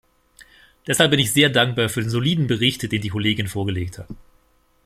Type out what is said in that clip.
Deshalb bin ich sehr dankbar für den soliden Bericht, den die Kollegin vorgelegt hat.